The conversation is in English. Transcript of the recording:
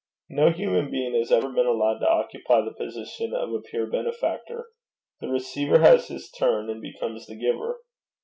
No human being has ever been allowed to occupy the position of a pure benefactor. The receiver has his turn, and becomes the giver.